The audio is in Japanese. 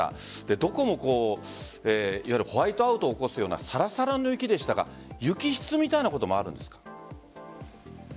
どこもホワイトアウトを起こすようなサラサラの雪でしたから雪質みたいなこともあるんですか？